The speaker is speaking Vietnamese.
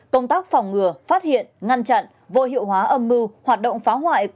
công tác phòng ngừa phát hiện ngăn chặn vô hiệu hóa âm mưu hoạt động phá hoại của các thế lực